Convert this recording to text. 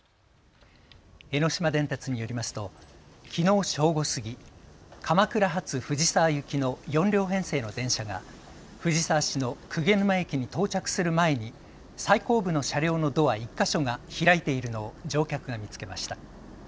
江ノ島電鉄によりますときのう正午過ぎ、鎌倉発藤沢行きの４両編成の電車が藤沢市の鵠沼駅に到着する前に最後部の車両のドア１か所が開いているのを乗客が見つけました。